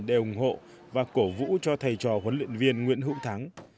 đều ủng hộ và cổ vũ cho thầy trò huấn luyện viên nguyễn hữu thắng